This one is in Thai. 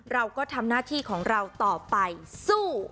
เราก็ทำหน้าที่ของเราต่อไปสู้